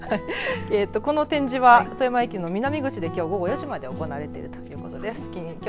この展示は富山駅の南口できょう午後４時まで行われているということです。